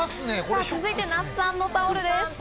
続いて那須さんのタオルです。